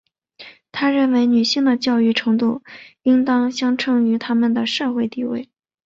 她认为女性的教育程度应当相称于她们的社会地位。